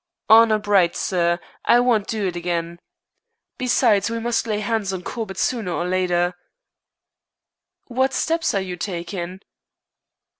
"Honor bright, sir. I won't do it again. Besides, we must lay hands on Corbett sooner or later." "What steps are you taking?"